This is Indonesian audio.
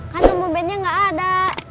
kan om ubednya gak ada